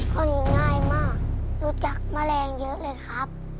คนนี้ง่ายมากรู้จักแมลงเยอะเลยครับ